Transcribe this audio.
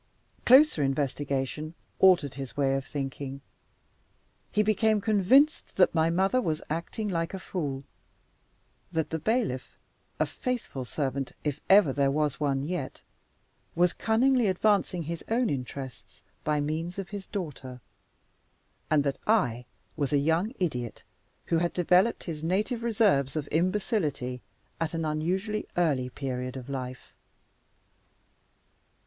Closer investigation altered his way of thinking. He became convinced that my mother was acting like a fool; that the bailiff (a faithful servant, if ever there was one yet) was cunningly advancing his own interests by means of his daughter; and that I was a young idiot, who had developed his native reserves of imbecility at an unusually early period of life.